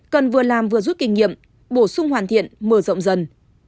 cần vừa làm vừa rút kinh nghiệm bổ sung hoàn thiện mở rộng dần